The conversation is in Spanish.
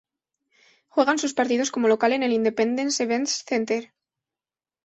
Juegan sus partidos como local en el Independence Events Center.